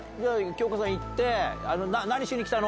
杏子さん行って「何しに来たの？」